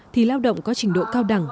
thì lao động có trình độ cao đẳng